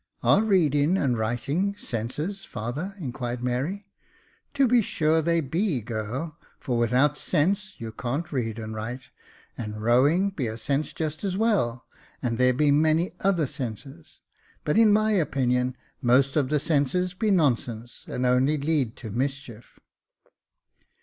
"Are reading and writing senses, father.?" inquired Mary. " To be sure they be, girl; for without sense you can't read and write ; and rowing be a sense just as well ; and there be many other senses ; but, in my opinion, most of the senses be nonsense, and only lead to mischief."